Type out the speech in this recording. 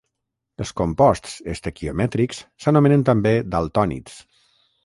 Els composts estequiomètrics s'anomenen també daltònids.